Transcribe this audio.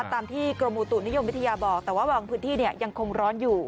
ตามที่กรมอุตุนิยมวิทยาบอกแต่ว่าบางพื้นที่ยังคงร้อนอยู่